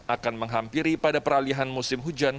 akan menghampiri pada peralihan musim hujan